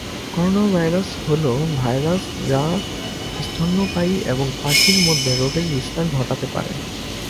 Coronavirus হ'ল virus যা স্তন্যপায়ী এবং পাখি এর মধ্যে রোগের বিস্তার ঘটাতে পারে।